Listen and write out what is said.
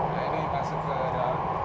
nah ini masuk ke dalam